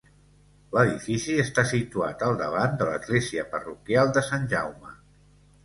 L'edifici està situat al davant de l'església parroquial de Sant Jaume.